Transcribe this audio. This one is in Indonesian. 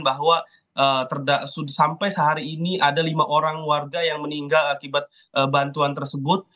bahwa sampai sehari ini ada lima orang warga yang meninggal akibat bantuan tersebut